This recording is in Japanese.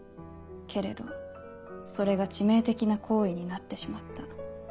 けれどそれが致命的な行為になってしまった。